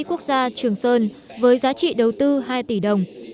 quốc gia trường sơn với giá trị đầu tư hai tỷ đồng